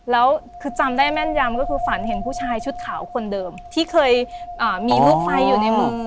แล้วคือจำได้แม่นยำก็คือฝันเห็นผู้ชายชุดขาวคนเดิมที่เคยมีลูกไฟอยู่ในมือ